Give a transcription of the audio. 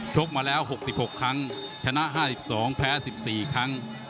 กมาแล้ว๖๖ครั้งชนะ๕๒แพ้๑๔ครั้ง